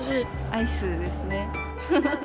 アイスですね。